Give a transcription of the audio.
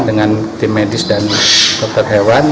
dengan tim medis dan dokter hewan